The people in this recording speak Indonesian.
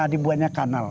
nah dibuatnya kanal